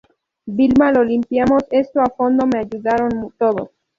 Vilma, lo limpiamos esto a fondo, me ayudaron todos.